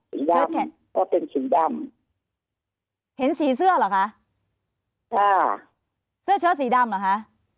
สีดำเพราะเป็นสีดำเห็นสีเสื้อเหรอคะค่ะเสื้อช็อตสีดำเหรอคะ